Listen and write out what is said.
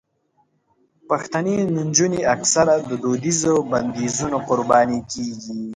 پښتنې نجونې اکثره د دودیزو بندیزونو قرباني کېږي.